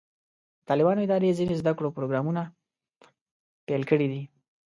د طالبانو ادارې ځینې زده کړو پروګرامونه پیل کړي دي.